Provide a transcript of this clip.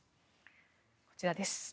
こちらです。